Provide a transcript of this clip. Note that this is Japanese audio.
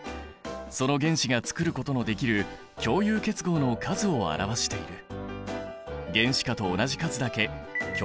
その原子がつくることのできる共有結合の数を表している。